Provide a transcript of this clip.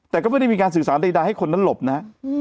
แต่ก็ไม่ได้มีการสื่อสารใดให้คนนั้นหลบนะฮะ